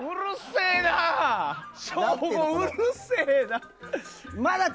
省吾、うるせえな。